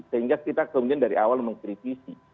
sehingga kita kemudian dari awal mengkritisi